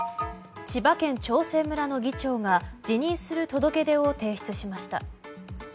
千葉県長生村の議長が辞任する届け出を提出しました。